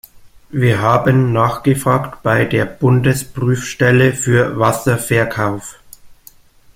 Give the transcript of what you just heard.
Wir haben nachgefragt bei der Bundesprüfstelle für Wasserverkauf.